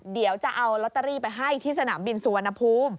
เดี๋ยวจะเอาลอตเตอรี่ไปให้ที่สนามบินสุวรรณภูมิ